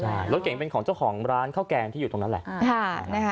ใช่รถเก่งเป็นของเจ้าของร้านข้าวแกงที่อยู่ตรงนั้นแหละ